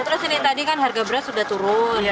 terus ini tadi kan harga beras sudah turun